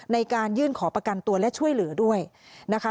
ในการยื่นขอประกันตัวและช่วยเหลือด้วยนะคะ